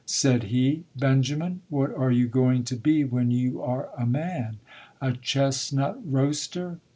Said he, "Benjamin, what are you going to be when you are a man, a chestnut roaster?"